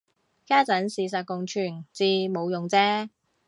家陣事實共存至冇用啫